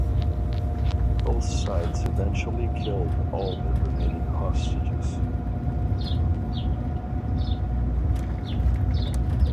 Both sides eventually killed all their remaining hostages.